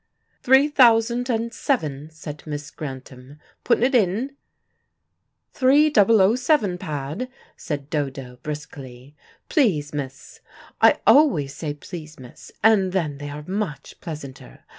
"Three thousand and seven," said Miss Grantham. "P'd'n't'n." "Three double o seven, Padd," said Dodo briskly, "please, miss. I always say, 'please, miss,' and then they are much pleasanter.